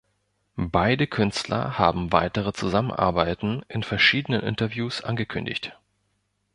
Beide Künstler haben weitere Zusammenarbeiten in verschiedenen Interviews angekündigt.